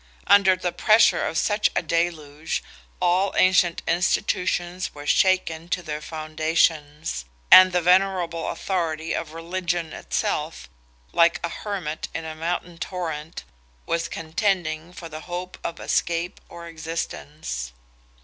Under the pressure of such a deluge all ancient institutions were shaken to their foundations; and the venerable authority of Religion itself, like a Hermit in a mountain torrent, was contending for the hope of escape or existence.